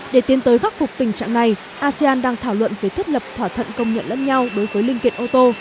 để tiến tới phát phục tình trạng này asean đang thảo luận về thất lập thỏa thận công nhận lẫn nhau đối với linh kiện ô tô